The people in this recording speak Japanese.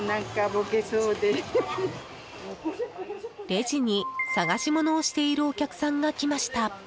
レジに探し物をしているお客さんが来ました。